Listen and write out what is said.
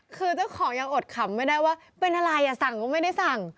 คือเจ้าของยังอดขำไม่ได้ว่าเป็นอะไรอ่ะสั่งก็ไม่ได้สั่ง